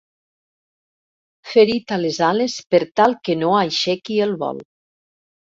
Ferit a les ales per tal que no aixequi el vol.